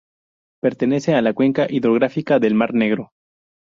Pertenece a la cuenca hidrográfica del mar Negro.